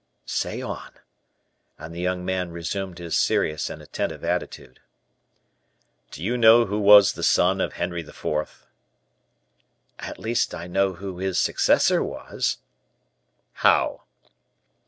"Say on." And the young man resumed his serious and attentive attitude. "Do you know who was the son of Henry IV.?" "At least I know who his successor was." "How?"